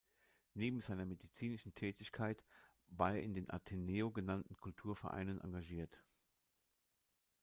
Neben seiner medizinischen Tätigkeit war er in den "Ateneo" genannten Kulturvereinen engagiert.